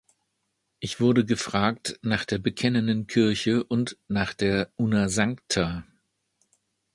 Ich wurde gefragt nach der Bekennenden Kirche und nach der "Una Sancta".